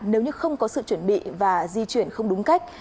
nếu như không có sự chuẩn bị và di chuyển không đúng cách